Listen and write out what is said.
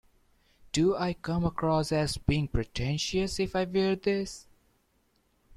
Do I come across as being pretentious if I wear this?